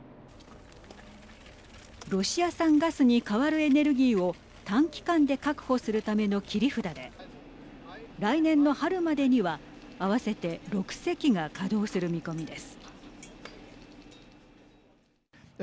ロシア産ガスに代わるエネルギーを短期間で確保するための切り札で来年の春までには合わせて６隻が稼働する見込みです。